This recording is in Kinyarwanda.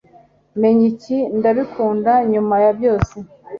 menya iki? ndabikunda, nyuma ya byose